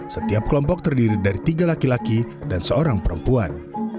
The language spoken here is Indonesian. setiap kelompok terdiri dari tiga laki laki dan seorang perempuan